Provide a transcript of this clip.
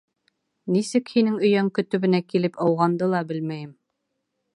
Нисек һинең өйәңке төбөнә килеп ауғанды ла белмәйем.